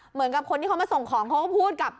เหมือนกับคนที่เขามาส่งของเขาก็พูดกับ